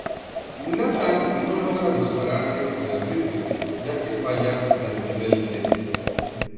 Nathan no logra dispararle con el rifle, ya que falla en el primer intento.